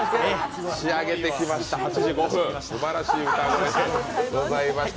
仕上げてきました、８時５分すばらしい歌声でした。